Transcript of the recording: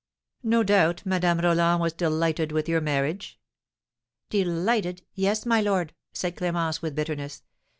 '" "No doubt Madame Roland was delighted with your marriage?" "Delighted? Yes, my lord," said Clémence, with bitterness.